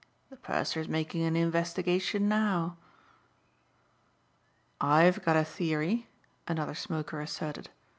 The purser is making an investigation now." "I've got a theory," another smoker asserted.